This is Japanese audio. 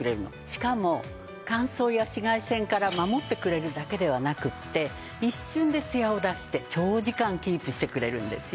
しかも乾燥や紫外線から守ってくれるだけではなくて一瞬でツヤを出して長時間キープしてくれるんですよ。